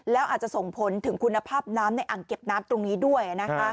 แล้วอาจจะส่งผลถึงคุณภาพน้ำในอ่างเก็บน้ำตรงนี้ด้วย